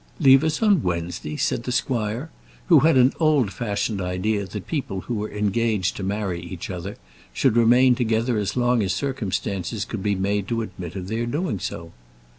"Leave us on Wednesday!" said the squire, who had an old fashioned idea that people who were engaged to marry each other should remain together as long as circumstances could be made to admit of their doing so.